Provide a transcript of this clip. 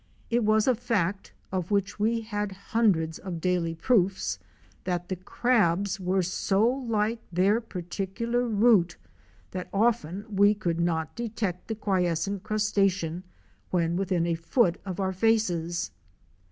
It was a fact, of which we had hundreds of daily proofs, that the crabs were so like their particular root that often we could not detect the quiescent crustacean when within a foot of our faces.